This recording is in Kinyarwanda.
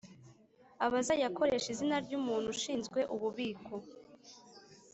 abazayakoresha izina ry umuntu ushinzwe ububiko